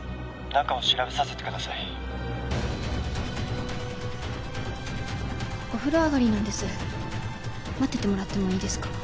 中を調べさせてくださいお風呂上がりなんです待っててもらってもいいですか？